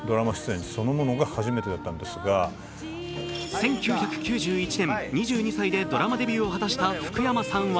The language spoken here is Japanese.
１９９１年、２２歳でドラマデビューを果たした福山さんは